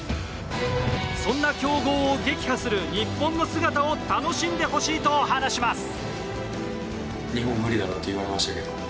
そんな強豪を撃破する日本の姿を楽しんでほしいと話します。